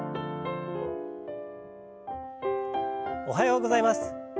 おはようございます。